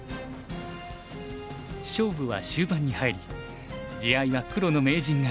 勝負は終盤に入り地合いは黒の名人がリード。